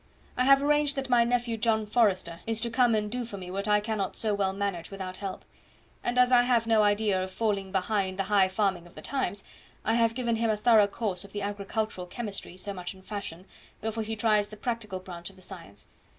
I have arranged that my nephew, John Forrester, is to come and do for me what I cannot so well manage without help; and as I have no idea of falling behind the high farming of the times, I have given him a thorough course of the agricultural chemistry, so much in fashion, before he tries the practical branch of the science.